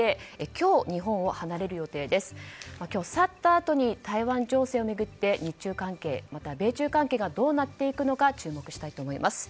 今日、去ったあとに台湾情勢を巡って日中関係、米中関係がどうなるのか注目したいと思います。